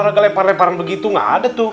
bagaian pemanah pemanah begitu nggak ada tuh